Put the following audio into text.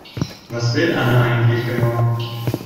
Was will Anne eigentlich genau?